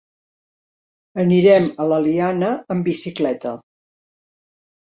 Anirem a l'Eliana amb bicicleta.